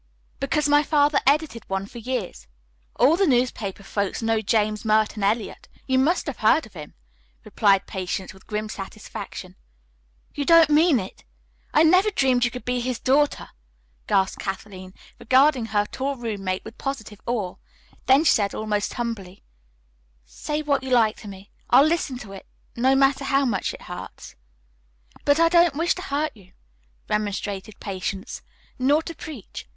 "Because my father edited one for years. All the newspaper folks know James Merton Eliot. You must have heard of him," replied Patience with grim satisfaction. "You don't mean it! I never dreamed you could be his daughter," gasped Kathleen, regarding her tall roommate with positive awe. Then she said, almost humbly: "Say what you like to me. I'll listen to it, no matter how much it hurts." "But I don't wish to hurt you," remonstrated Patience, "nor to preach.